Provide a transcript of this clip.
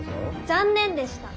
残念でした。